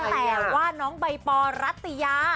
แต่ว่าน้องบัยปอร์รัตยา